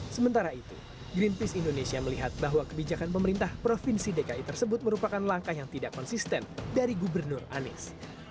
sementara itu greenpeace indonesia melihat bahwa kebijakan pemerintah provinsi dki tersebut merupakan langkah yang tidak konsisten dari gubernur anies